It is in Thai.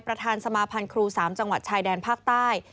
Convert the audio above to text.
ประธานสมาพันธ์ครู๓จังหวัดชายแดนภาคใต้